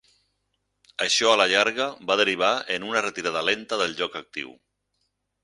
Això a la llarga va derivar en una retirada lenta del joc actiu.